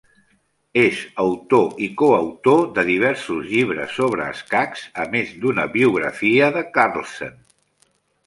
És autor i coautor de diversos llibres sobre escacs, a més d'una biografia de Carlsen.